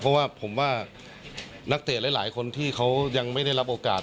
เพราะว่าผมว่านักเตะหลายคนที่เขายังไม่ได้รับโอกาส